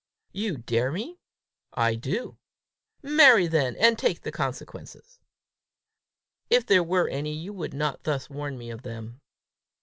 "You dare me?" "I do." "Marry, then, and take the consequences." "If there were any, you would not thus warn me of them."